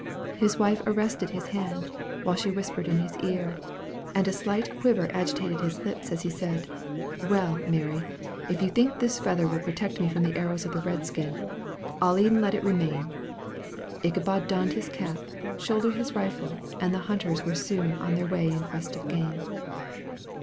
His wife arrested his hand, while she whispered in his ear, and a slight quiver agitated his lips as he said, "Well, Mary, if you think this feather will protect me from the arrows of the red skins, I'll e'en let it remain." Ichabod donned his cap, shouldered his rifle, and the hunters were soon on their way in quest of game.